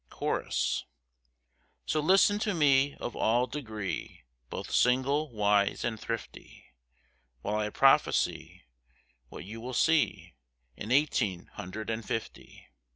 CHORUS. So listen to me of all degree, both single, wise, and thrifty, While I prophecy what you will see, in eighteen hundred and fifty.